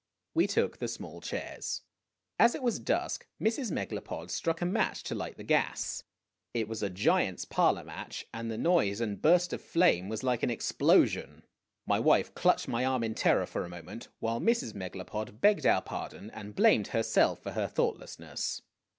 We took the small chairs. As it was dusk, Mrs. Megalopod struck a match to light the gas. It was a giant's parlor match, and the noise and burst of flame was like an explosion. My wife clutched my arm in terror for a moment while Mrs. Megalopod begged our pardon and blamed herself for her thoughtlessness.